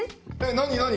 何？